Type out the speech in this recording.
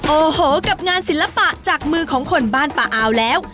โอ้โหกับงานศิลปะจากมือของคนบ้านป่าอาวแล้ว